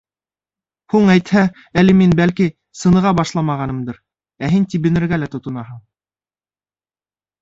— Һуң, әйтһә, әле мин, бәлки, сыныға башламағанмындыр, ә һин тибенергә лә тотонаһың.